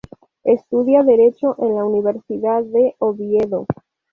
Estudia derecho en la Universidad de Oviedo.